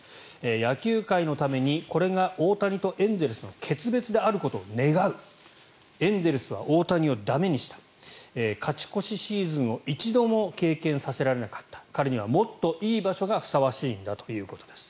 野球界のためにこれが大谷とエンゼルスの決別であることを願うエンゼルスは大谷を駄目にした勝ち越しシーズンを一度も経験させられなかった彼にはもっといい場所がふさわしいんだということです。